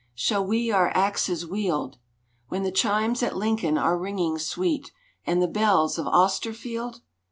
Shall we our axes wield When the chimes at Lincoln are ringing sweet And the bells of Austerfield?"